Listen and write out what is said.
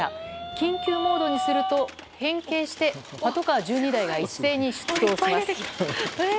緊急モードにすると変形してパトカー１２台が一斉に出動します。